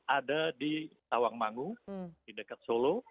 ada di tawangmangu di dekat solo